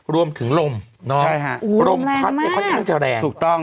รวมถึงลมใช่ค่ะอู้วลมแรงมากลมพัดค่อนข้างจะแรงถูกต้อง